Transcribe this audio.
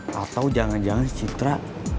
gak tau jangan jangan citra